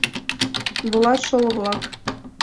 Волат шоло-влак